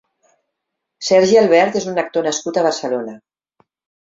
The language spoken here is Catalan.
Sergi Albert és un actor nascut a Barcelona.